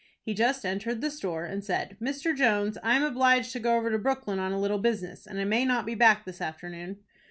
He just entered the store, and said, "Mr. Jones, I am obliged to go over to Brooklyn on a little business, and I may not be back this afternoon."